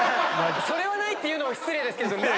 それはないって言うのも失礼ですけどない。